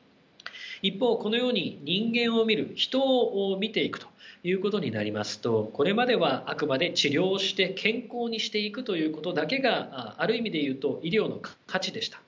一方このように人間を診る人を診ていくということになりますとこれまではあくまで治療して健康にしていくということだけがある意味で言うと医療の価値でした。